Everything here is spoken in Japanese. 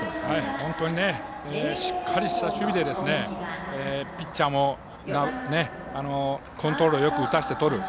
本当にしっかりした守備でピッチャーもコントロールよく打たせてとる。